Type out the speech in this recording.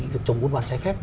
việc chống buôn bán trái phép